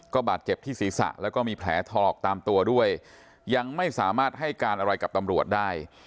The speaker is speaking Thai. บาดเจ็บที่ศีรษะแล้วก็มีแผลถลอกตามตัวด้วยยังไม่สามารถให้การอะไรกับตำรวจได้